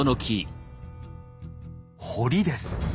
「堀」です。